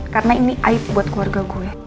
karena ini aib buat keluarga gue